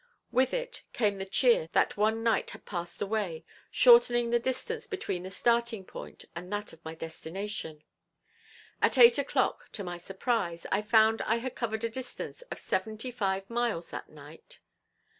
With it came the cheer that one night had passed away, shortening the distance between the starting point and that of my destination. At eight o'clock to my surprise, I found I had covered a distance of seventy five miles that night.